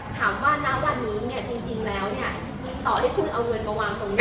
ณวันนี้เนี่ยจริงแล้วเนี่ยต่อให้คุณเอาเงินมาวางตรงนี้